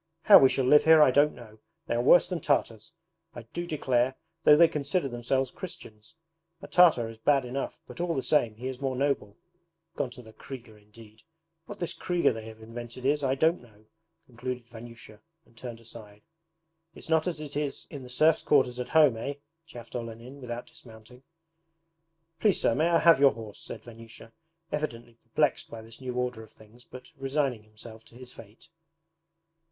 'How we shall live here I don't know. They are worse than Tartars, I do declare though they consider themselves Christians! A Tartar is bad enough, but all the same he is more noble. Gone to the KRIGA indeed! What this KRIGA they have invented is, I don't know!' concluded Vanyusha, and turned aside. 'It's not as it is in the serfs' quarters at home, eh?' chaffed Olenin without dismounting. 'Please sir, may I have your horse?' said Vanyusha, evidently perplexed by this new order of things but resigning himself to his fate.